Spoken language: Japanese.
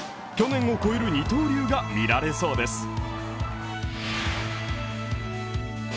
去年を超える二刀流が見られそうです。